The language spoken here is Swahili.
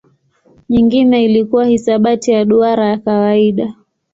Nyingine ilikuwa hisabati ya duara ya kawaida.